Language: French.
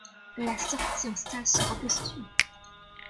La sortie en salles sera posthume.